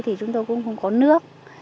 thì chúng tôi cũng không có nước